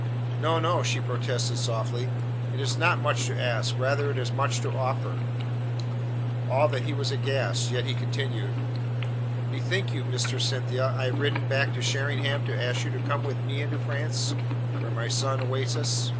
"No, no," she protested softly, "it is not much to ask. Rather is it much to offer." At that he was aghast. Yet he continued: "Bethink you, Mistress Cynthia, I have ridden back to Sheringham to ask you to come with me into France, where my son awaits us?"